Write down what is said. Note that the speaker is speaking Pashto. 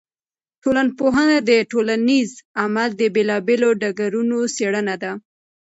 ټولنپوهنه د ټولنیز عمل د بېلا بېلو ډګرونو څېړنه ده.